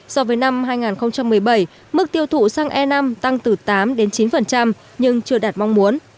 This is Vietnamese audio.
so với năm hai nghìn một mươi bảy mức tiêu thụ xăng e năm tăng từ tám đến chín nhưng chưa đạt mong muốn